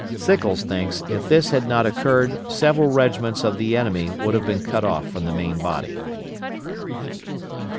Sickles thinks if this had not occurred several regiments of the enemy would have been cut off from the main body.